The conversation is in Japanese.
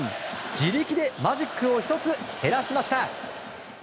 自力でマジックを１つ減らしました。